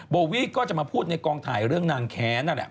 โบวี่ก็จะมาพูดในกองถ่ายเรื่องนางแค้นนั่นแหละ